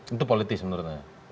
itu politis menurut anda